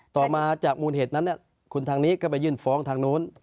ต่อมาจากมูลเหตุนั้นคุณทางนี้ก็ไปยื่นฟ้องทางโน้น